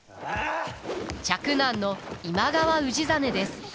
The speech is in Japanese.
嫡男の今川氏真です。